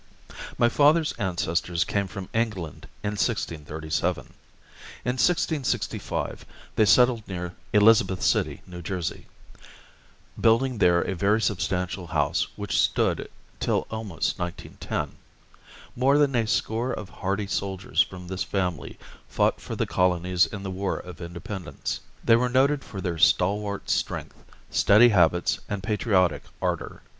My father's ancestors came from England in 1637. In 1665 they settled near Elizabeth City, New Jersey, building there a very substantial house which stood till almost 1910. More than a score of hardy soldiers from this family fought for the Colonies in the War of Independence. They were noted for their stalwart strength, steady habits, and patriotic ardor.